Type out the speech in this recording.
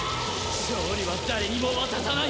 勝利は誰にも渡さない！